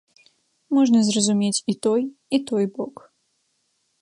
Можна зразумець і той, і той бок.